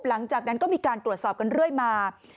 หลังจากนั้นก็มีการตรวจสอบกันเรื่อยมา